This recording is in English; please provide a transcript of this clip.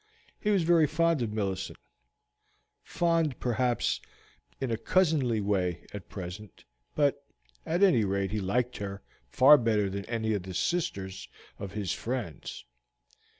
He was very fond of Millicent fond, perhaps; in a cousinly way at present; but at any rate he liked her far better than any of the sisters of his friends.